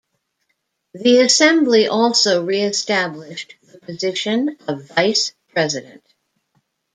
The Assembly also reestablished the position of vice president.